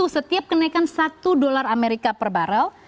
setiap kenaikan satu dolar amerika per barrel